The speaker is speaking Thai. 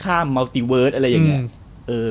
ข้ามมัลติเวิร์ดอะไรอย่างเงี้ย